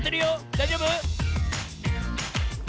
だいじょうぶ？